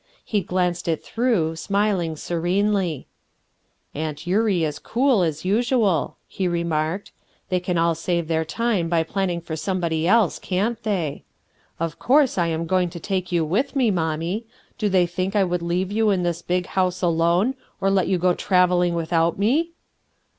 He glanced it through, smiling serenely: — "Aunt Eurie is cool, as usual," he remarked. "They can all save their time by planning for somebody else, can't they? Of course I am going to take you with me, mommie. Do they think I would leave you in this big house alone, or let you go travelling without me!"